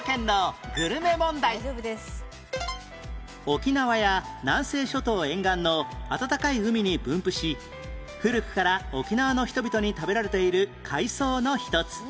沖縄や南西諸島沿岸のあたたかい海に分布し古くから沖縄の人々に食べられている海藻の一つ